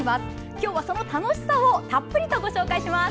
今日はその楽しさをたっぷりとご紹介します。